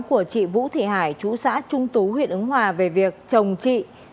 của chị vũ thị hải chú xã trung tú huyện ứng hòa về việc chồng chị